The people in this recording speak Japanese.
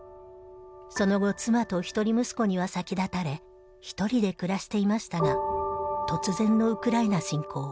その後妻と一人息子には先立たれ１人で暮らしていましたが突然のウクライナ侵攻。